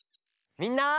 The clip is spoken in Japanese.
みんな！